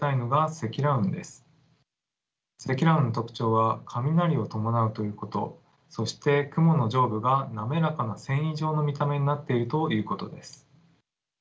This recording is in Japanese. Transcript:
積乱雲の特徴は雷を伴うということそして雲の上部が滑らかな繊維状の見た目になっているということです。